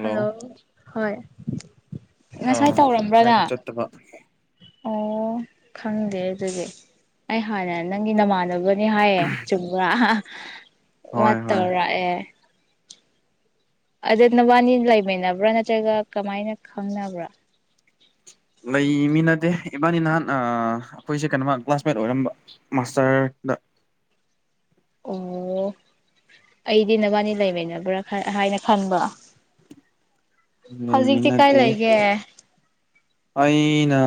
hello ꯍꯣꯏ ꯑꯥ ꯉꯁꯥꯏ ꯇꯧꯔꯝꯕ꯭ꯔꯥꯅ ꯉꯁꯥꯏꯗꯣ ꯆꯠꯇꯕ ꯑꯣ ꯈꯪꯗꯦ ꯑꯗꯨꯗꯤ ꯑꯩ ꯍꯥꯟꯅ ꯅꯪꯒꯤ ꯅꯃꯥꯟꯅꯕ ꯍꯥꯏꯌꯦ ꯆꯨꯒ꯭ꯔꯥ ꯃ ꯍꯣꯏ ꯍꯣꯏ ꯇꯧꯔ ꯑꯦ ꯑꯗꯨꯗ ꯅꯕꯥꯅꯤ ꯂꯩꯃꯤꯟꯅꯕ꯭ꯔꯥ ꯅꯠꯇ꯭ꯔꯒ ꯀꯃꯥꯏꯅ ꯈꯪꯅꯕ꯭ꯔꯥ ꯂꯩꯃꯤꯅꯗꯦ ꯏꯕꯥꯅꯤ ꯅꯍꯥꯟ ꯑꯩꯈꯣꯏꯁꯦ ꯀꯩꯅꯣꯃ ꯀ꯭ꯂꯥꯁꯃꯦꯠ ꯑꯣꯏꯔꯝꯕ ꯃꯥꯁꯇꯔꯗ ꯑꯣ ꯑꯩꯗꯤ ꯅꯕꯥꯅꯤ ꯂꯩꯃꯤꯕ꯭ꯔꯥ ꯍꯥꯏꯅ ꯈꯟꯕ ꯍꯧꯖꯤꯛꯗꯤ ꯀꯥꯏ ꯂꯩꯃꯤꯟꯅꯗꯦ ꯂꯩ ꯂꯩꯒꯦ ꯑꯩꯅ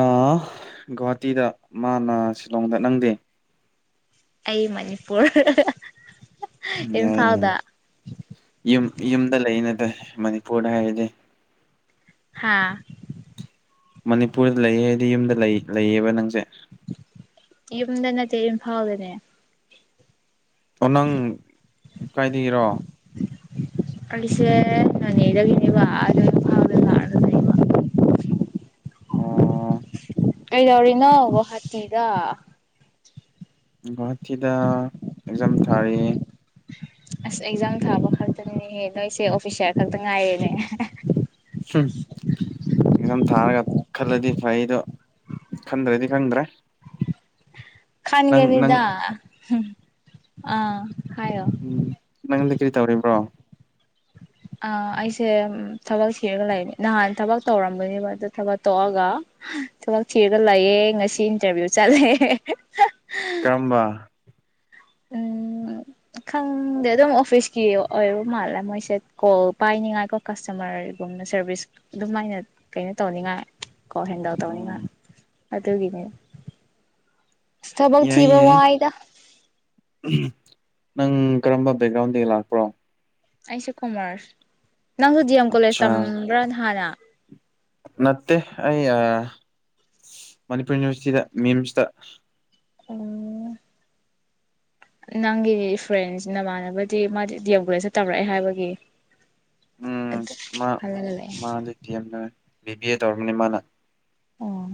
ꯒꯨꯍꯥꯇꯤꯗ ꯃꯥꯅ ꯁꯤꯂꯣꯡꯗ ꯅꯪꯗꯦ ꯑꯩ ꯃꯅꯤꯄꯨꯔ ꯌꯥꯏ ꯌꯥꯏ ꯏꯝꯐꯥꯜꯗ ꯌꯨꯝ ꯌꯨꯝꯗ ꯂꯩꯅ ꯃꯅꯤꯄꯨꯔꯗ ꯍꯥꯏꯔꯗꯤ ꯍꯥꯥ ꯃꯅꯤꯄꯨꯔꯗ ꯂꯩꯌꯦ ꯍꯥꯏꯗꯤ ꯌꯨꯝꯗ ꯂꯩ ꯂꯩꯌꯦꯕ ꯅꯪꯁꯦ ꯌꯨꯝꯗ ꯅꯠꯇꯦ ꯏꯝꯐꯥꯜꯗꯅꯦ ꯑꯣ ꯅꯪ ꯀꯥꯏꯗꯒꯤꯔꯣ ꯑꯩꯁꯦ ꯅꯅꯦꯗ ꯒꯤꯅꯦꯕꯥ ꯏꯝꯐꯥꯜꯗ ꯂꯛ ꯑꯥꯒꯥ ꯂꯩꯕꯥ ꯑꯣ ꯀꯩꯗꯎꯔꯤꯅꯣ ꯒꯋꯥꯍꯇꯤꯗ ꯒꯨꯍꯥꯇꯤꯗ ꯑꯦꯛꯖꯝ ꯊꯥꯔꯤ ꯑꯁ ꯑꯦꯛꯖꯥꯝ ꯊꯥꯕ ꯈꯛꯇꯅꯅꯦꯍꯦ ꯅꯣꯏꯁꯦ ꯑꯣꯐꯤꯁꯔ ꯈꯛꯇ ꯉꯥꯏꯔꯦꯅꯦ ꯑꯦꯛꯖꯥꯝ ꯊꯥꯔꯒ ꯈꯜꯂꯗꯤ ꯐꯩꯗꯣ ꯈꯟꯗ꯭ꯔꯗꯤ ꯈꯪꯗ꯭ꯔꯦ ꯅꯪ ꯅꯪ ꯈꯥꯟꯒꯅꯤꯗ ꯑꯥ ꯍꯥꯏꯌꯣ ꯎꯝ ꯅꯪꯗꯤ ꯀꯔꯤ ꯇꯧꯔꯤꯕ꯭ꯔꯣ ꯑ ꯑꯩꯁꯦ ꯊꯕꯛ ꯊꯤꯔꯒ ꯂꯩꯅꯦ ꯅꯍꯥꯟ ꯊꯕꯛ ꯇꯧꯔꯝꯕꯅꯦꯕ ꯑꯗꯨ ꯊꯕꯛ ꯇꯣꯛꯑꯒ ꯊꯕꯛ ꯊꯤꯔꯒ ꯂꯩꯌꯦꯦ ꯉꯁꯤ ꯏꯟꯇꯔꯚꯤꯌꯨ ꯆꯠꯂꯦ ꯀꯔꯝꯕ ꯎꯝ ꯈꯪꯗꯦ ꯑꯗꯨꯝ ꯑꯣꯐꯤꯁꯀꯤ ꯑꯣꯏꯕ ꯃꯥꯜꯂꯦ ꯃꯣꯏꯁꯦ ꯀꯣꯜ ꯄꯥꯏꯅꯤꯉꯥꯏꯀꯣ ꯀꯁꯇꯃꯔꯒꯨꯝꯅ ꯁꯔꯚꯤꯁ ꯑꯗꯨꯃꯥꯏꯅ ꯀꯩꯅꯣ ꯇꯧꯅꯤꯉꯥꯏ ꯀ ꯍꯦꯟꯗꯧ ꯇꯥꯕꯅꯤ ꯃꯥ ꯎꯝ ꯑꯗꯨꯒꯤꯅꯦ ꯊꯕꯛ ꯌꯥꯏ ꯊꯤꯕ ꯌꯥꯏ ꯋꯥꯏꯗ ꯅꯪ ꯀꯔꯝꯕ ꯕꯦꯛꯒ꯭ꯔꯥꯎꯟꯗꯒꯤ ꯂꯥꯛꯄ꯭ꯔꯣ ꯑꯁꯨꯨ ꯀꯨꯃꯔ ꯅꯪꯁꯨ ꯗꯤ ꯑꯦꯝ ꯀꯣꯂꯦꯖ ꯑꯠꯆꯥ ꯇꯝꯕ꯭ꯔꯅ ꯍꯥꯟꯅ ꯅꯠꯇꯦ ꯑꯩ ꯃꯅꯤꯄꯨꯔ ꯌꯨꯅꯤꯚꯔꯁꯤꯇꯤꯗ ꯃꯤꯝꯁꯇ ꯑꯣ ꯅꯪꯒꯤ ꯐ꯭ꯔꯦꯟꯁꯤ ꯅꯃꯥꯟꯅꯕꯗꯤ ꯃꯥꯗꯤ ꯗꯒꯂꯇ ꯇꯧꯔꯛꯑꯦ ꯍꯥꯏꯕꯒꯤ ꯎꯝ ꯑꯗꯨ ꯃꯥ ꯈꯜꯂꯒ ꯂꯩꯑꯦ ꯃꯥ ꯂꯤꯇ ꯌꯥꯝꯗ ꯕꯤꯕꯤ ꯑꯦ ꯇꯔꯃꯅꯤ ꯃꯥꯅ ꯑꯣ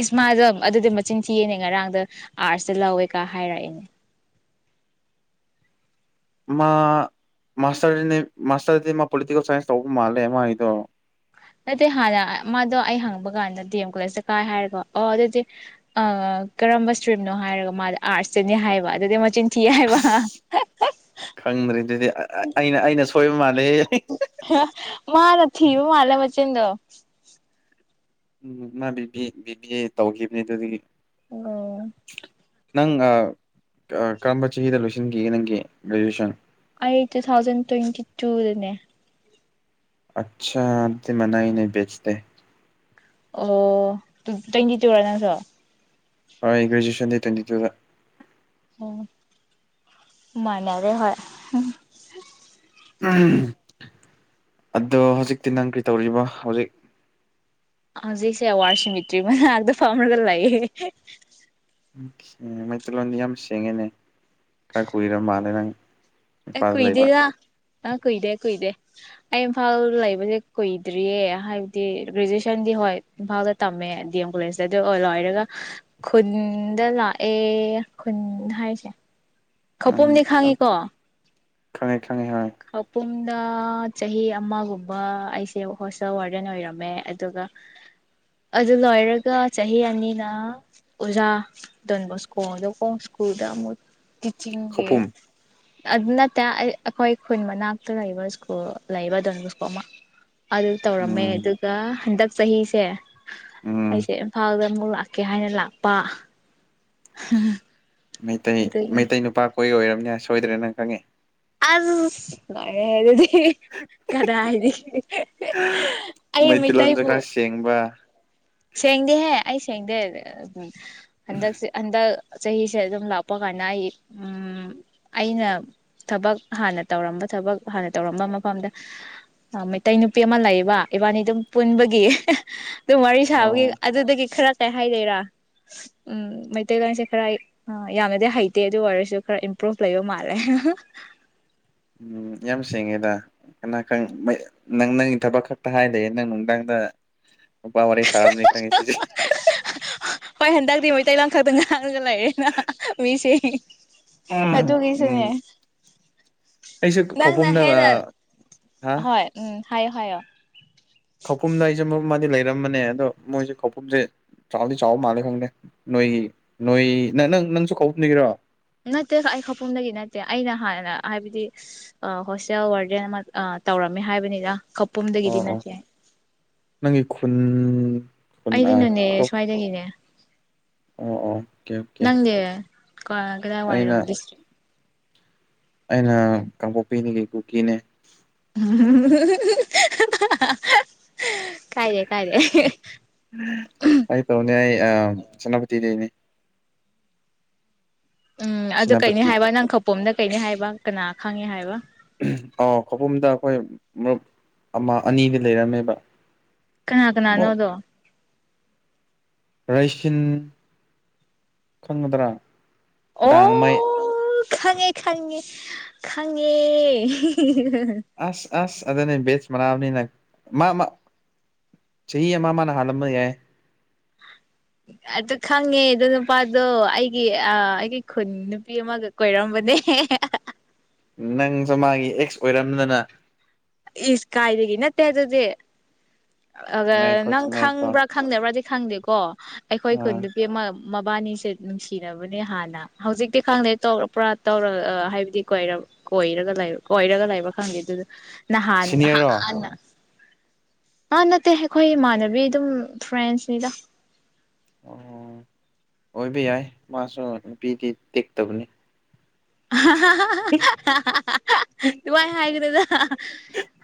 ꯏꯁꯃꯥꯗꯣ ꯑꯗꯨꯗꯤ ꯃꯆꯤꯟ ꯊꯤꯑꯅꯦ ꯉꯔꯥꯡꯗ ꯑꯥꯔꯠꯁꯇ ꯂꯧꯋꯦꯀ ꯍꯥꯏꯔꯛꯑꯦꯅꯦ ꯃꯥ ꯃꯥꯁꯇꯔꯅꯦ ꯃꯥꯁꯇꯔꯗꯤ ꯃꯥ ꯄꯣꯂꯤꯇꯀꯦꯜ ꯁꯥꯏꯟꯁ ꯇꯧꯕ ꯃꯥꯂꯦ ꯃꯥ ꯏꯗꯣ ꯑꯗꯨꯗꯤ ꯍꯥꯟꯅ ꯃꯥꯗꯣ ꯑꯩ ꯍꯪꯕ ꯀꯥꯟꯗ ꯗꯤ ꯑꯦꯝ ꯀꯣꯂꯦꯖ ꯆ ꯀꯥꯏ ꯍꯥꯏꯔꯦꯀꯣ ꯑꯣ ꯑꯗꯨꯗꯤ ꯑ ꯀꯔꯝꯕ ꯏꯁꯇ꯭ꯔꯤꯝꯅꯣ ꯍꯥꯏꯔꯒ ꯃꯥꯗ ꯑꯥꯔꯠꯁꯇꯅꯤ ꯍꯥꯏꯕ ꯑꯗꯨꯗꯤ ꯃꯆꯤꯟ ꯊꯏ ꯍꯥꯌꯕꯥ ꯑꯁ ꯈꯪꯗ꯭ꯔꯦ ꯑꯗꯨꯗꯤ ꯑꯩꯅ ꯑꯩꯅ ꯁꯣꯏꯕ ꯃꯥꯜꯂꯦ ꯃꯥꯅ ꯊꯕ ꯃꯥꯂ ꯃꯆꯤꯟꯗꯣ [inaudible] ꯎꯝ ꯃꯥꯕꯤ ꯕꯤꯕꯤ ꯑꯦ ꯇꯧꯈꯤꯕꯅꯦ ꯑꯗꯨꯗꯤ ꯑꯣ [inaudible] ꯅꯪ ꯀꯔꯝꯕ ꯆꯍꯤꯗ ꯂꯣꯏꯁꯤꯟꯈꯤꯒꯦ ꯅꯪꯒꯤ ꯒ꯭ꯔꯦꯖꯨꯑꯦꯁꯟ ꯑꯩ ꯇꯨ ꯊꯥꯎꯖꯟ ꯇ꯭ꯋꯦꯟꯇꯤ ꯇꯨꯗꯅꯦ ꯑꯆꯥꯥ ꯑꯗꯤ ꯃꯅꯥꯏ ꯅ ꯦꯆꯇ ꯑꯣ ꯇꯒꯤ ꯆ ꯋꯥꯔ ꯅꯡꯁꯨ ꯭ꯔꯦꯖꯨꯌꯦꯦꯁꯟꯗ ꯇ꯭ꯋꯦꯟꯇꯤ ꯇꯨꯗ ꯎꯝ ꯃꯅꯦꯔꯦ ꯍ ꯑꯗꯣ ꯍꯧꯖꯤꯛꯇꯤ ꯅꯪ ꯀꯔꯤ ꯇꯧꯔꯤꯕ ꯍꯧꯖꯤꯛ ꯍꯧꯖꯤꯛꯁꯦ ꯋꯥꯔꯁꯤꯃꯤꯇ꯭ꯔꯤ ꯃꯅ ꯑꯥꯛꯗ ꯐꯔꯒꯜ ꯂꯏꯌꯦ ꯃꯩꯇꯩꯂꯣꯟꯗꯤ ꯌꯥꯝ ꯁꯦꯡꯉꯦꯅꯦ ꯈꯔ ꯀꯨꯏꯔ ꯃꯥꯜꯂꯦ ꯅꯪ ꯑ ꯃꯄꯥꯗ ꯀꯣꯏ ꯂꯩꯕ ꯏꯗꯗ ꯑ ꯀꯨꯏꯗꯦ ꯀꯨꯏꯗꯦ ꯑꯩ ꯏꯝꯐꯥꯜ ꯂꯩꯕꯁꯦ ꯀꯨꯏꯗ꯭ꯔꯤꯌꯦ ꯍꯥꯏꯕꯗꯤ ꯒ꯭ꯔꯦꯖꯨꯋꯦꯁꯟꯗꯤ ꯍꯣꯏ ꯏꯝꯐꯥꯜꯗ ꯇꯝꯃꯦ ꯗꯤ ꯑꯦꯝ ꯀꯣꯂꯦꯖꯇ ꯑꯗꯨ ꯂꯣꯏꯔꯒ ꯈꯨꯟꯗ ꯂꯥꯛꯑꯦ ꯈꯨꯟ ꯍꯥꯏꯔꯤꯁꯦ ꯈꯄꯨꯝꯗꯤ ꯈꯥꯡꯉꯤꯀꯣ ꯈ ꯈꯪꯉꯤ ꯈꯪꯉꯦ ꯅ ꯆꯍꯤ ꯑꯃꯒꯨꯝꯕ ꯑꯩꯁꯦ ꯍꯣꯁꯇꯦꯜ ꯋꯥꯔꯗꯦꯟ ꯑꯣꯏꯔꯝꯃꯦ ꯑꯗꯨꯒ ꯑꯗꯨ ꯂꯣꯏꯔꯒ ꯆꯍꯤ ꯑꯅꯤꯅ ꯑꯣꯖꯥ ꯗꯣꯟꯕ ꯁ꯭ꯀꯣꯡꯗꯣꯀꯣꯡ ꯁ꯭ꯀꯨꯜꯗ ꯑꯃꯨꯛ ꯇꯤꯆꯤꯤꯡꯒꯤ ꯈꯧꯄꯨꯝ ꯑꯗꯨ ꯅ ꯇ ꯑꯩꯈꯣꯏ ꯑꯩꯈꯣꯏꯟ ꯃꯅꯥꯛꯇ ꯂꯩꯕ ꯁ꯭ꯀꯨꯜ ꯂꯩꯕ ꯑꯗꯨꯀꯨ ꯑꯃ ꯑꯗꯨ ꯇꯧꯔꯝꯃꯦ ꯎꯝ ꯑꯗꯨꯒ ꯍꯟꯗꯛ ꯁꯍꯤꯁꯦ ꯎꯝ ꯑꯩꯁꯦ ꯐꯥꯎꯗ ꯅꯕꯨ ꯂꯥꯛꯀꯦ ꯍꯥꯏꯅ ꯂꯥꯛꯄ ꯑ ꯃꯩꯇꯩ ꯃꯩꯇꯩ ꯅꯨꯄꯥꯛ ꯑꯩꯣꯏ ꯑꯣꯏꯔꯕꯝꯅꯦ ꯁꯣꯏꯗ꯭ꯔꯦ ꯅꯪ ꯈꯪꯉꯦ ꯑ ꯂꯦ ꯑꯗꯨꯗꯤ ꯀꯗꯥ ꯍꯥꯏꯅꯤ ꯑꯩ ꯃꯩꯇꯩꯂꯣꯟꯁꯨ ꯃꯩꯇꯩꯕꯨ ꯈꯔ ꯁꯦꯡꯕ ꯁꯦꯡꯦꯡꯗꯦ ꯍꯦ ꯑꯩ ꯁꯦꯡꯗꯦ ꯎꯝ ꯑꯗꯒ ꯁꯤ ꯑꯟꯗ ꯆꯍꯤꯁꯦ ꯑꯗꯨꯝ ꯂꯥꯛꯄ ꯀꯥꯟꯗ ꯑꯩ ꯎ ꯑꯩꯅ ꯊꯕꯛ ꯍꯥꯟꯅ ꯇꯧꯔꯝꯕ ꯊꯕꯛ ꯍꯥꯟꯅ ꯇꯧꯔꯝꯕ ꯃꯐꯝꯗ ꯃꯩꯇꯩ ꯅꯨꯄꯤ ꯑꯃ ꯂꯩꯌꯦꯕ ꯏꯕꯥꯅꯤ ꯑꯗꯨꯝ ꯄꯨꯟꯕꯒꯤ ꯑꯗꯨꯝ ꯋꯥꯔꯤ ꯁꯥꯕꯒꯤ ꯑꯣ ꯑꯗꯨꯗꯒꯤ ꯈꯔ ꯀꯩ ꯍꯥꯏꯗꯦꯔꯥ ꯎꯝ ꯃꯩꯇꯩꯒꯥꯟꯁꯦ ꯈꯔ ꯌꯥꯝꯅꯗꯤ ꯍꯩꯇꯦ ꯑꯗꯨ ꯑꯣꯏꯔꯁꯨ ꯈꯔ ꯏꯝꯄ꯭ꯔꯨꯚ ꯂꯩꯕ ꯃꯥꯜꯂꯦ ꯎꯝ ꯌꯥꯝ ꯁꯦꯡꯉꯦꯗ ꯀꯅꯥ ꯅꯪ ꯅꯪꯒꯤ ꯊꯕꯛ ꯈꯛꯇ ꯍꯥꯏ ꯂꯩꯑꯦ ꯅꯪ ꯅꯨꯡꯗꯥꯡꯗ ꯑꯣꯄ ꯃꯔ ꯁꯔꯥꯞꯅꯤ ꯈꯪꯉꯁꯤ ꯄ ꯍꯦꯟꯗꯛꯗꯤ ꯑꯩꯇꯩ ꯂꯈꯥꯏꯗ ꯉꯥꯡꯉꯒ ꯂꯩꯔꯦꯅ ꯃꯤꯁꯦ ꯍ ꯑꯗꯨꯗꯒꯤꯁꯤꯅꯦ ꯑꯩꯁꯨꯦ ꯈꯧꯐꯝꯨꯝꯗ ꯍꯥ ꯍꯣꯏ ꯎꯝ ꯍꯥꯏꯌꯣ ꯍꯥꯏꯌꯣ ꯈꯧꯄꯨꯝꯗ ꯑꯩꯁꯦ ꯃꯔꯨꯞ ꯃꯥꯗꯤ ꯂꯩꯔꯝꯕꯅꯦ ꯑꯗꯣ ꯃꯣꯏꯁꯦ ꯈꯧꯄꯨꯝꯁꯦ ꯆꯥꯎꯗꯤ ꯆꯥꯎꯕ ꯃꯥꯜꯂꯦ ꯈꯪꯗꯦ ꯅꯣꯏꯒꯤ ꯅꯣꯏ ꯅ ꯅꯪ ꯅꯪꯁꯨ ꯀꯄꯨꯝꯅꯤꯒꯤꯔꯣ ꯅꯠꯇꯦ ꯑꯩ ꯈꯄꯐꯝꯗꯒꯤ ꯅꯠꯇꯦ ꯑꯩꯅ ꯍꯥꯟꯅꯅ ꯍꯥꯏꯕꯗꯤ ꯍꯣꯁꯇꯦꯜ ꯋꯥꯔꯗꯦꯟ ꯑꯃ ꯇꯧꯔꯝꯃꯦ ꯍꯥꯏꯕꯅꯤꯅ ꯑꯣ ꯑꯣ ꯅꯪꯒꯤ ꯈꯨꯟ ꯈꯨꯟ ꯑꯩꯗꯤ ꯑꯥ ꯅꯅꯦ ꯈꯨꯟꯇꯣꯛ ꯁ꯭ꯋꯥꯏꯗꯗꯒꯤꯅꯦ ꯑꯣ ꯑꯣ ꯑꯣꯀꯦ ꯑꯣꯀꯦ ꯀ ꯀ ꯋꯥꯏ ꯑꯩꯅ ꯑꯣꯏꯦ ꯑꯩꯅ ꯀꯥꯡꯄꯣꯛꯄꯤꯅꯤꯒꯤ ꯀꯨꯀꯤꯅꯦ [inaudible] ꯀꯥꯏꯔꯤꯦ ꯀꯥꯏꯔꯦꯦ ꯆꯟꯅꯄꯇꯤꯗꯦꯅꯦ ꯎꯝ ꯑ ꯀꯩꯩꯅ ꯁꯦꯅꯥꯄꯇꯤ ꯍꯥꯏꯕ ꯅꯪ ꯄꯣꯝꯗ ꯀꯩꯅꯤ ꯍꯥꯏꯕ ꯀꯅꯥ ꯈꯪꯉꯦ ꯍꯥꯏꯕ ꯑ ꯀꯣꯕꯨꯝꯗ ꯑꯩꯈꯣꯏ ꯃꯔꯨꯞ ꯑꯃ ꯑꯅꯤꯗꯤ ꯂꯩꯔꯝꯃꯦꯕ ꯀꯅꯥ ꯀꯅꯥꯅꯣꯗꯣ ꯔꯩꯁꯤꯟ ꯈꯪꯒꯗ꯭ꯔꯥ ꯑꯣ ꯗꯥꯡꯃꯥꯏ ꯈꯪꯉꯦ ꯈꯪꯉꯦ ꯈꯪꯉꯦ ꯑꯁ ꯑꯁ ꯑꯗꯨꯅꯦ ꯕꯦꯁ ꯃꯅꯥꯕꯅꯤꯅ ꯃꯥ ꯃꯥ ꯆꯍꯤ ꯑꯃ ꯃꯥ ꯃꯥꯅ ꯍꯥꯜꯂꯝꯕ ꯌꯥꯏ ꯑꯗꯨ ꯈꯪꯉꯦ ꯑꯗꯣ ꯅꯨꯄꯥꯗꯣ ꯑꯩꯒꯤ ꯑꯩꯒꯤ ꯈꯨꯟ ꯅꯨꯄꯤ ꯑꯃꯒ ꯀꯣꯏꯔꯝꯕꯅꯦ ꯅꯪꯁꯨ ꯃꯥꯒꯤ ꯑꯦꯛꯁ ꯑꯣꯏꯔꯝꯗꯅ ꯏꯁ ꯀꯥꯏꯗꯗꯒꯤ ꯏꯅꯠꯇꯦꯗꯗꯦ ꯑ ꯆꯤꯡꯅꯩꯀꯣ ꯅꯪ ꯆꯤꯡꯅꯩꯀꯣ ꯈꯪꯕ꯭ꯔꯥ ꯈꯪꯅꯦꯕ꯭ꯔꯥ ꯁꯪꯗꯦꯀꯣ ꯑꯩꯈꯣꯏ ꯈꯨꯟ ꯑꯥ ꯅꯨꯄꯤ ꯑꯃ ꯃꯕꯥꯅꯤꯁꯦ ꯅꯨꯡꯁꯤꯅꯕꯅꯦ ꯍꯥꯟꯅ ꯍꯧꯖꯤꯛꯇꯤ ꯈꯪꯗꯦ ꯇꯧꯔ ꯄꯨ꯭ꯔꯥ ꯇꯧꯔ ꯍꯥꯏꯕꯗꯤ ꯀꯣꯏ ꯀꯣꯏꯔꯒ ꯀꯣꯏꯔꯒ ꯂꯩꯕ ꯈꯪꯗꯦ ꯑꯗꯨ ꯅ ꯍꯥꯥꯟ ꯁꯤꯅꯤꯌꯔꯔꯣ ꯑꯥ ꯅꯠꯇꯦ ꯑꯩꯈꯣꯏ ꯏꯃꯥꯟꯅꯕꯤ ꯑꯗꯨꯝ ꯐ꯭ꯔꯦꯟꯁꯅꯤꯗ ꯑꯣ ꯑꯣꯏꯕ ꯌꯥꯏ ꯃꯥꯁꯨ ꯅꯨꯄꯤꯗꯤ ꯇꯦꯛꯇꯕꯅꯤ ꯇꯨꯃꯥꯏ ꯍꯥꯏꯒꯗꯗ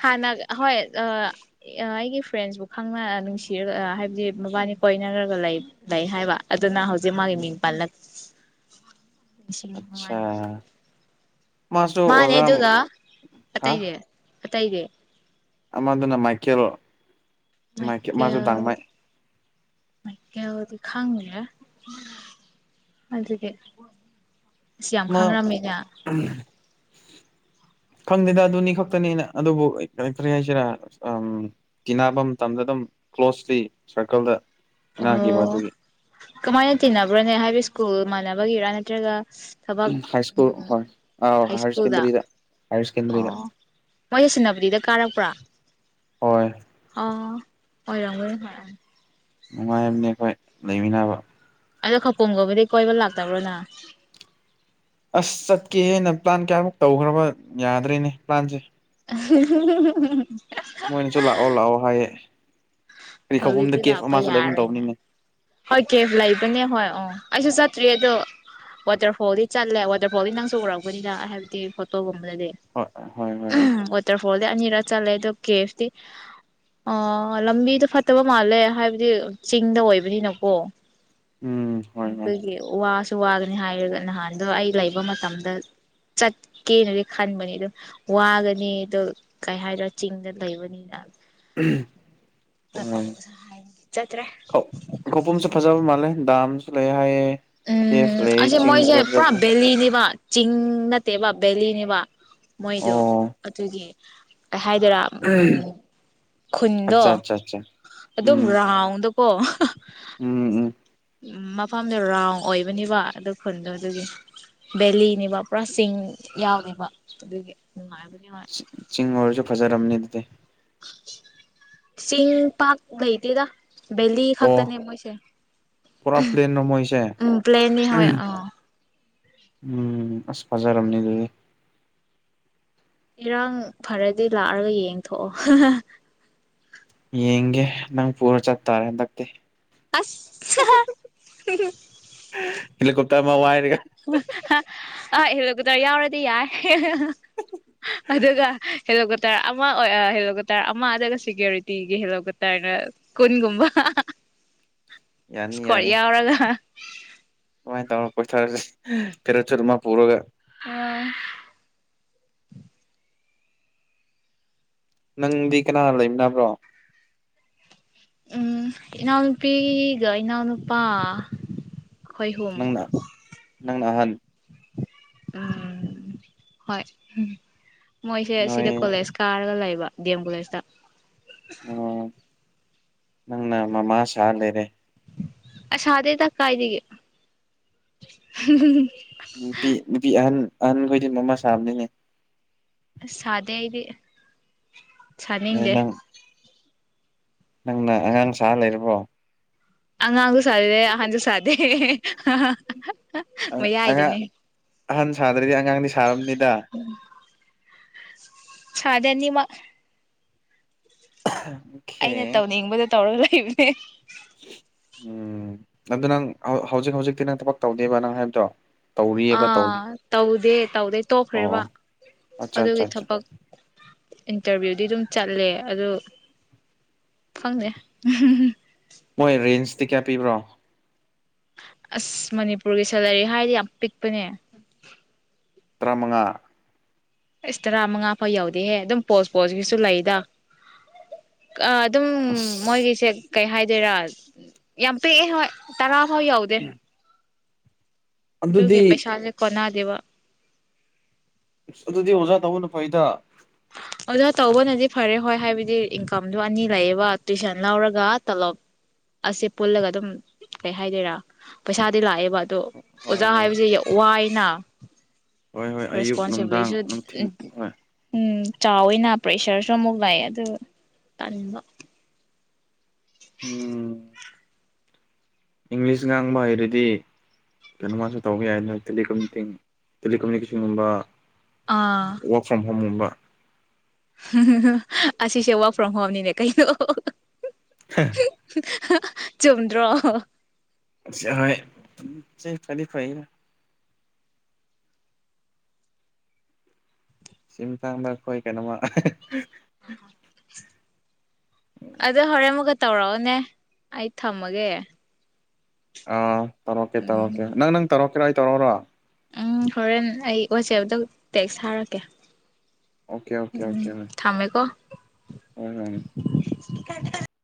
ꯍꯥꯟꯅ ꯍꯣꯏ ꯑꯩꯒꯤ ꯐ꯭ꯔꯦꯟꯁꯄꯨ ꯈꯪꯅ ꯅꯨꯡꯁꯤꯔꯒ ꯍꯥꯏꯕꯗꯤ ꯃꯕꯥꯅꯤ ꯀꯣꯏꯅꯔꯒ ꯂꯩ ꯍꯥꯏꯕ ꯑꯗꯨꯅ ꯍꯧꯖꯤꯛ ꯃꯒꯤ ꯃꯡ ꯄꯜꯂꯛ ꯑꯆꯥ ꯃꯥꯅꯦꯗꯨꯒ ꯍꯥ ꯑꯠꯇꯗꯦ ꯑꯇꯩꯥꯏꯗ ꯑꯃꯗꯨꯅ ꯃꯥꯏꯀꯦꯜꯣ ꯃꯥꯏꯀꯩ ꯃꯥꯁꯨ ꯇꯥꯡ ꯃꯥꯏ ꯃꯀ ꯍꯧꯗꯤ ꯈꯥꯡꯕ ꯑꯗꯨꯖꯤꯗꯒꯤ ꯁꯤ ꯌꯥꯝ ꯃꯥ ꯈꯪꯔꯝꯃꯤꯅꯦ ꯈꯪꯗꯦꯗ ꯑꯗꯨꯅꯤ ꯈꯛꯇꯅꯤꯅ ꯑꯗꯨꯕꯨ ꯀꯩꯅꯛꯇꯔꯤ ꯍꯥꯏꯁꯤꯔ ꯇꯤꯕ ꯃꯇꯝꯗ ꯑꯗꯨꯝ ꯀ꯭ꯂꯣꯁꯂꯤ ꯁꯥꯔꯀꯜꯗ ꯇꯤꯟꯅꯈꯤꯕ ꯑꯣ ꯑꯗꯨꯒꯤ ꯀꯃꯥꯏꯅ ꯇꯤꯟꯅꯕ꯭ꯔꯣꯅꯦ ꯍꯥꯏꯕꯤ ꯣ ꯃꯜꯕꯒ ꯏꯔ ꯅꯠꯇ꯭ꯔꯒ ꯑ ꯊꯕꯛ ꯍꯥꯏ ꯁ꯭ꯀꯨꯜ ꯍꯣꯏ ꯑꯥꯎ ꯍꯥꯏ ꯍꯥꯌꯔ ꯁ꯭ꯀꯨꯜꯗ ꯁꯦꯀꯦꯟꯗꯔꯤꯗ ꯍꯥꯌꯔ ꯁꯦꯀꯦꯟꯗꯔꯤꯗ ꯑꯣ ꯃꯣꯏꯁꯁꯤꯟꯅꯕꯗꯤꯗ ꯀꯥꯔꯛꯄ꯭ꯔꯥ ꯍꯣꯏ ꯑꯣ ꯑꯣꯏꯔ ꯍ ꯅꯨꯡꯉꯥꯏꯝꯅꯤ ꯑꯩꯈꯣꯏ ꯂꯩꯃꯤꯟꯅꯕ ꯑꯗꯣ ꯈꯄꯝꯒꯨꯝꯕꯗꯤ ꯀꯣꯏꯕ ꯂꯥꯛꯇꯕ꯭ꯔꯣꯅ ꯑꯁ ꯆꯠꯀꯦꯦꯅ ꯄ꯭ꯂꯥꯟ ꯀꯌꯥꯃꯨꯛ ꯇꯧꯈ꯭ꯔꯕ ꯌꯥꯗ꯭ꯔꯦꯅꯦ ꯄ꯭ꯂꯥꯟꯁꯦ [unintelligible] ꯃꯣꯏꯅꯁꯨ ꯂꯥꯛꯑꯣ ꯂꯥꯛꯑꯣ ꯍꯥꯏꯌꯦ ꯀꯔꯤ ꯈꯧꯄꯨꯝꯗ ꯍꯧꯖꯤꯛꯇꯤ ꯀꯦꯐ ꯂꯥꯛꯄ ꯑꯃꯁꯨ ꯂꯩꯒꯨꯝ ꯌꯥꯔꯦꯅꯦ ꯇꯧꯕꯅꯤꯅꯦ ꯍꯣꯏ ꯀꯦꯐ ꯂꯩꯕꯅꯦ ꯍꯣꯏ ꯑꯣ ꯑꯩꯁꯨ ꯆꯠꯇ꯭ꯔꯤ ꯑꯗꯣ ꯋꯥꯇꯔꯐꯣꯜꯗꯤ ꯆꯠꯂꯦ ꯋꯥꯇꯔꯐꯣꯜꯗꯤ ꯅꯪꯁꯨ ꯎꯔꯛꯕꯅꯤꯅ ꯍꯥꯏꯕꯗꯤ ꯐꯣꯇꯣꯒꯨꯝꯕ ꯍꯣꯏ ꯍꯣꯏ ꯍꯣꯏ ꯍꯣꯏ ꯋꯥꯇꯔ ꯐꯣꯜꯗ ꯑꯅꯤꯔ ꯆꯂꯦ ꯀꯦ ꯑ ꯂ ꯂꯝꯕꯤ ꯐ ꯐꯠꯇꯕ ꯃꯥꯜꯂꯦ ꯍꯥꯏꯕꯗꯤ ꯆꯤꯡꯗ ꯑꯣꯏꯕꯅꯤꯅꯀꯣ ꯎꯝ ꯍꯣꯏ ꯍꯣꯏ ꯑꯗꯨꯗꯒꯤ ꯋꯥꯁ ꯁꯨ ꯋꯥꯒꯅꯤ ꯍꯥꯏꯔꯒ ꯅꯍꯥꯟꯗꯣ ꯑꯩ ꯂꯩꯕ ꯃꯇꯝꯗ ꯆꯠꯀꯦꯅꯗꯤ ꯈꯟꯕꯅꯤ ꯑꯗꯨꯝ ꯋꯥꯒꯅꯤ ꯑꯗꯣ ꯀꯩ ꯍꯥꯏꯗ꯭ꯔꯥ ꯆꯤꯡꯗ ꯂꯩꯕꯅꯤꯅ ꯎ ꯆꯠꯇ꯭ꯔꯦ ꯗꯝ ꯆ ꯂꯩꯦ ꯍꯥꯏꯥꯏꯌꯦ ꯎꯝ ꯑꯁ ꯃꯣꯏꯁꯦ ꯄꯨꯔꯥ ꯕꯦꯜꯅꯤꯕ ꯆꯤꯡ ꯅꯠꯇꯦꯕ ꯕꯦꯂꯤꯅꯦꯕ ꯃꯣꯏꯗꯣ ꯑꯣ ꯑꯗꯨꯒꯤ ꯀꯩ ꯍꯥꯏꯗꯣꯏꯔꯥ ꯎ ꯈꯨꯟꯗꯣ ꯑꯠꯆꯥ ꯑꯠꯆꯥ ꯑꯠꯆꯥ ꯑꯗꯨꯝ ꯎꯝ ꯔꯥꯎꯟꯗꯣ ꯑꯣ ꯎꯝ ꯎꯝ ꯎꯝ ꯃꯐꯝꯗꯔꯥꯎꯑꯣ ꯑꯣꯏꯕꯅꯤꯕ ꯑꯗꯨ ꯈꯨꯟꯗꯣ ꯑꯗꯨꯒꯤ ꯕꯦꯂꯤꯅꯦꯕ ꯄꯨꯔꯥ ꯆꯤꯡ ꯌꯥꯎꯕ ꯑꯗꯨꯒꯤ ꯅꯨꯡꯉꯥꯏꯕ ꯆꯤꯡ ꯑꯣꯏꯔꯁꯨ ꯐꯖꯔꯔꯕꯅꯤ ꯑꯦ ꯆꯤꯡ ꯄꯥꯛ ꯂ ꯩꯇꯦꯗ ꯚꯦꯂꯤ ꯑꯣ ꯈꯛꯇꯅꯤ ꯃꯣꯏꯁꯦ ꯄꯨꯔꯥ ꯄ꯭ꯂꯦꯟꯔꯣ ꯃꯣꯏꯁꯦ ꯎꯝ ꯄ꯭ꯂꯟꯅꯤ ꯍꯣꯏ ꯑ ꯎꯝ ꯑꯁ ꯐꯥꯖꯔꯝꯅꯤ ꯑꯗꯨꯗꯤ ꯏꯔꯥꯡ ꯐꯔꯗꯤ ꯂꯥꯛꯑꯒ ꯌꯦꯡꯊꯣꯛꯑꯣ ꯌꯦꯡꯒꯦ ꯅꯪ ꯄꯨꯔ ꯆꯠꯇꯥꯔꯦ ꯍꯟꯗꯛꯇꯤ ꯑꯁ ꯍꯦꯀꯣꯞꯇꯔ ꯋꯥꯏ ꯍ ꯑ ꯍꯦꯂꯤꯀꯣꯞꯇꯔ ꯌꯥꯎꯔꯗꯤ ꯌꯥꯏ ꯑꯗꯨꯒ ꯍꯦꯂꯤꯀꯣꯞꯇꯔ ꯑꯃ ꯑꯣꯏ ꯍꯦꯂꯤꯀꯣꯞꯇꯔ ꯑꯃ ꯑꯗꯨꯒ ꯁꯦꯀ꯭ꯌꯨꯔꯤꯇꯤꯒꯤ ꯍꯦꯂꯤꯣꯀꯣꯞꯇꯔꯅ ꯀꯨꯟꯒꯨꯝꯕ ꯌꯥꯅꯤ ꯁꯀꯣꯠ ꯌꯥꯅꯤ ꯌꯥꯎꯔꯒ ꯑꯗꯨꯃꯥꯏꯅ ꯇꯧꯔ ꯄꯣꯏꯊꯥꯔꯁꯤ ꯐꯦꯔꯦꯠ ꯁꯨꯔꯠ ꯑꯃ ꯄꯨꯔꯒ ꯑ ꯅꯪꯗꯤ ꯀꯅꯥ ꯂꯩꯃꯤꯅꯕ꯭ꯔꯣ ꯎꯝ ꯏꯅꯥꯎꯅꯨꯄꯤꯒ ꯏꯅꯥꯎꯅꯨꯄꯥ ꯑꯩꯈꯣꯏ ꯑꯍꯨꯝ ꯅꯪꯅ ꯅꯪꯅꯍꯜ ꯑ ꯍꯣꯏ ꯃꯣꯏꯁꯦ ꯁꯤꯗ ꯅꯣꯏ ꯀꯂꯦꯖ ꯀꯥꯔꯒ ꯂ ꯂꯩ ꯗꯦꯝꯕꯨꯂꯦꯁꯗ ꯅꯪꯅ ꯃꯃꯥ ꯁꯥ ꯂꯩꯔꯦ ꯑꯁꯗꯦꯗ ꯀꯥꯏꯗꯒ ꯅꯨꯄꯤ ꯅꯨꯄꯤ ꯑꯍꯟ ꯑꯍꯟꯈꯣꯏꯗꯤ ꯃꯃꯥ ꯁꯥꯕꯅꯤꯅꯦ ꯁꯥꯗꯦ ꯑꯩꯗꯤ ꯁꯥꯅꯤꯡꯗꯦ ꯅꯪ ꯅꯪꯅ ꯑꯉꯥꯡ ꯁꯥ ꯂꯩꯔꯕꯣ ꯑꯉꯥꯡꯁꯨ ꯁꯥꯗꯗꯦ ꯑꯍꯟꯁꯨ ꯁꯥꯗꯦ ꯃ ꯌꯥꯏꯗꯅꯦ ꯆꯥꯗꯔꯤ ꯑꯉꯥꯡꯗꯤ ꯁꯥꯔꯕꯝꯔꯕꯅꯤꯗ ꯁꯥꯗꯅꯤ ꯃ [unintelligible] ꯑꯩꯅ ꯇꯧꯅꯤꯡꯕꯗꯣ ꯇꯧꯔ ꯏꯅꯦ [unintelligible] ꯎꯝ ꯑꯗꯨ ꯅꯪ ꯍꯧꯖꯤꯛ ꯍꯧꯖꯤꯛꯇꯤ ꯅꯪ ꯊꯕꯛ ꯇꯧꯗꯕ ꯅꯪ ꯍꯥꯏꯕꯗꯣ ꯇꯧꯔꯤꯑꯕ ꯑꯥ ꯇꯧꯗꯤ ꯇꯧꯗꯦ ꯇꯧꯗꯩ ꯇꯣꯛꯈ꯭ꯔꯦꯕ ꯑꯣ ꯑꯠꯆꯥ ꯑꯗꯨꯒꯤ ꯑꯠꯆꯥ ꯑꯠꯆꯥ ꯊꯕꯛ ꯏꯟꯇꯔꯚꯤꯌꯨꯗꯤ ꯑꯗꯨꯝ ꯆꯠꯂꯦ ꯑꯗꯨ ꯐꯪꯅꯦ ꯃꯣꯏ ꯔꯦꯟꯖꯇꯤ ꯀꯌꯥ ꯄꯤꯕ꯭ꯔꯣ ꯑꯁ ꯃꯅꯤꯄꯨꯔꯒꯤ ꯁꯦꯂꯔꯤ ꯍꯥꯏꯗꯤ ꯌꯥꯝ ꯄꯤꯛꯄꯅꯦ ꯇꯔꯥꯃꯉꯥ ꯏꯁꯁ ꯇꯔꯥ ꯃꯉꯥ ꯐꯥꯎ ꯌꯎꯗꯦꯍꯦ ꯑꯗꯨꯝ ꯄꯣꯁ ꯄꯣꯁꯀꯤꯁꯨ ꯂꯩꯗ ꯑꯗꯨꯝ ꯑꯁ ꯃꯣꯏꯒꯤꯁꯦ ꯀꯩ ꯍꯥꯏꯗꯣꯏꯔꯥ ꯌꯥꯝ ꯄꯦꯛꯑꯦ ꯍꯣꯏ ꯇꯔꯥ ꯍ ꯌꯥꯎꯗꯦ ꯑꯗꯨꯒꯦ ꯑꯗꯨꯗꯤ ꯄꯩꯁꯜꯦꯛ ꯀꯣꯟꯅ ꯗꯦꯕꯥ ꯑꯗꯨꯗꯤ ꯑꯣꯖꯥ ꯇꯧꯕꯅ ꯐꯩꯗ ꯑꯣꯖꯥ ꯇꯧꯕꯅꯗꯤ ꯐꯔꯦ ꯍꯣꯏ ꯍꯥꯏꯕꯗꯤ ꯏꯟꯀꯝꯗ ꯑꯅꯤ ꯂꯩꯌꯦꯕ ꯇꯨꯋꯏꯁꯟ ꯂꯧꯔꯒ ꯇꯂꯣꯞ ꯑꯦ ꯄꯨꯜꯂꯒ ꯑꯗꯨꯝ ꯀꯩ ꯍꯥꯏꯗꯣꯏꯔꯥ ꯄꯩꯁꯥꯗꯤ ꯂꯥꯛꯑꯦꯕ ꯑꯗꯣ ꯍꯣꯏ ꯑꯣꯖꯥ ꯍꯣꯏ ꯍꯥꯏꯕꯁꯤ ꯋꯥꯏ ꯅꯥ ꯍꯣꯏ ꯍꯣꯏ ꯑꯌꯨꯛ ꯅꯨꯡꯗꯥꯡ ꯅꯨꯡꯊꯤꯤꯟ ꯍꯣꯏ ꯎꯝ ꯆꯥꯎꯋꯤꯅ ꯄ꯭ꯔꯦꯁꯔꯁꯨ ꯑꯃꯨꯛ ꯂ ꯑꯗꯨ ꯇꯟꯕ ꯎꯝ ꯏꯪꯂꯤꯁ ꯉꯥꯡꯕ ꯍꯩꯔꯗꯤ ꯀꯩꯅꯣꯃꯁꯨ ꯇꯧꯕ ꯌꯥꯏꯗꯅ ꯇꯦꯂꯤꯀꯃꯤꯡ ꯇꯦꯂꯤꯀꯃꯨꯅꯤꯀꯦꯁꯟꯒꯨꯝꯕ ꯑꯥ ꯋꯥꯔꯛ ꯐ꯭ꯔꯣꯝ ꯍꯣꯝꯕ [inaudible] ꯑꯁꯤꯁꯦ ꯋꯥꯔꯛ ꯐ꯭ꯔꯣꯝ ꯍꯣꯝꯅꯤꯅꯦ ꯀꯩꯅꯣ ꯍꯥ ꯆꯨꯝꯗ꯭ꯔꯣ ꯍꯣꯏ ꯐꯗꯤ ꯐꯔ ꯆꯤꯡ ꯊꯥꯡꯗ ꯑꯩꯈꯣꯏ ꯀꯩꯅꯣꯃ ꯑꯗꯨ ꯍꯣꯔꯦꯟ ꯑꯃꯨꯛꯀ ꯇꯧꯔꯛꯑꯣꯅꯦ ꯑꯩ ꯊꯝꯃꯒꯦ ꯑꯥ ꯇꯔꯣꯀꯦ ꯎꯝ ꯇꯔꯣꯀꯦ ꯅꯪ ꯅꯪ ꯇꯔꯦ ꯀꯗꯥꯥꯏ ꯇꯧꯔꯣꯅꯣ ꯎꯝ ꯍꯣꯔꯦꯟ ꯑꯩ ꯋꯥꯆꯦꯞꯇ ꯇꯦꯛꯁ ꯊꯥꯔꯛꯀꯦ ꯑꯣꯀꯦ ꯎꯝ ꯊꯃꯦꯃꯦ ꯀꯣ ꯑ ꯈ